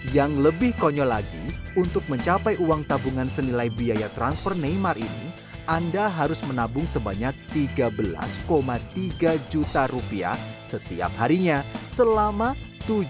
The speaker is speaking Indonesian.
yang lebih konyol lagi untuk mencapai uang tabungan senilai biaya transfer neymar ini anda harus menabung sebanyak tiga belas tiga juta rupiah setiap harinya selama tujuh tahun